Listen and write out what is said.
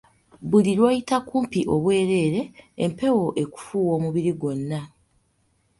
Buli lwoyita kumpi obwereere, empewo ekufuuwa omubiri gwonna.